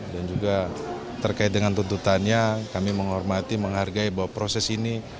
dan juga terkait dengan tuntutannya kami menghormati menghargai bahwa proses ini